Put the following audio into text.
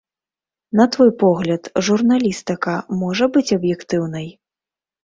На твой погляд, журналістыка можа быць аб'ектыўнай?